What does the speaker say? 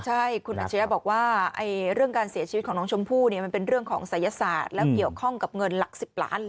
ใช่คุณอัชริยะบอกว่าเรื่องการเสียชีวิตของน้องชมพู่เนี่ยมันเป็นเรื่องของศัยศาสตร์แล้วเกี่ยวข้องกับเงินหลัก๑๐ล้านเลย